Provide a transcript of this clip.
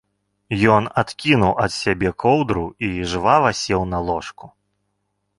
Ён адкінуў ад сябе коўдру і жвава сеў на ложку.